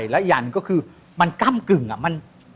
และอีกอย่างหนึ่งก็คือมันก้ำกึ่งอะ